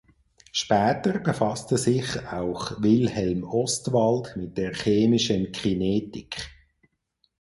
Später befasste sich auch Wilhelm Ostwald mit der chemischen Kinetik.